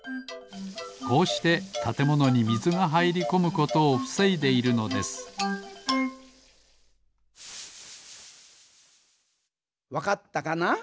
こうしてたてものにみずがはいりこむことをふせいでいるのですわかったかな？